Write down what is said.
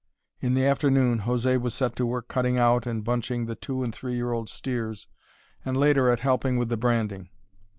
In the afternoon José was set to work cutting out and bunching the two and three year old steers and later at helping with the branding.